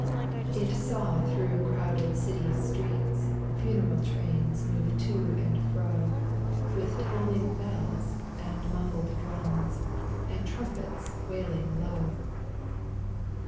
It saw through crowded city streets, Funereal trains move to and fro, With tolling bells, and muffled drums. And trumpets wailing low.